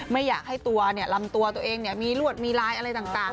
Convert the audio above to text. ไม่อยากให้ตัวลำตัวตัวเองมีรวดมีลายอะไรต่าง